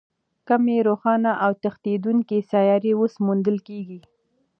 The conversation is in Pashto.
کمې روښانه او تښتېدونکې سیارې اوس موندل کېږي.